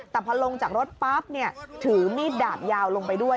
แต่พอลงจากรถปั๊บถือมีดดาบยาวลงไปด้วย